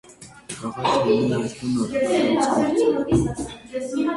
Քաղաքն ունի երկու նորակառույց գործարան։